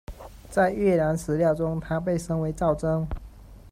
在越南史料中，他被称为昭曾。